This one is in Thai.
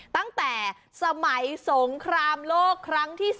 ตั้งแต่สมัยสงครามโลกครั้งที่๓